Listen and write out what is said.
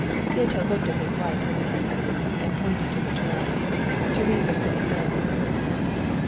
Pieto looked at his wife hesitatingly, and pointed to the tray. Teresa set it down.